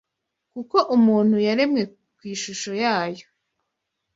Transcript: kuko umuntu yaremwe ku ishusho yayo